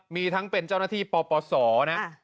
มีทั้งเป็นเจ้าหน้าที่ปปศนะ